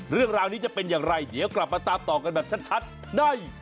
เรื่องราวนี้จะเป็นอย่างไรเดี๋ยวกลับมาตามต่อกันแบบชัดใน